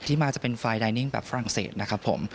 มาจะเป็นไฟล์ไดนิ่งแบบฝรั่งเศสนะครับผม